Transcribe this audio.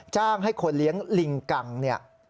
จ้างให้คนเลี้ยงลิงกังเนี่ย